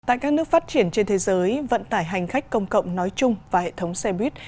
tại các nước phát triển trên thế giới vận tải hành khách công cộng nói chung và hệ thống xe buýt